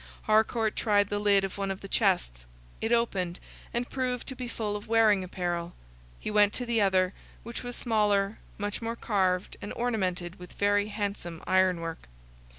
Harcourt tried the lid of one of the chests: it opened, and proved to be full of wearing apparel; he went to the other, which was smaller, much more carved, and ornamented with very handsome iron work.